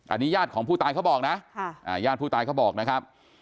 อันนี้ญาติของผู้ตายเขาบอกนะญาติผู้ตายเขาบอกนะครับ